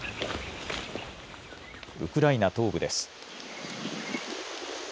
ウクライナ東部です。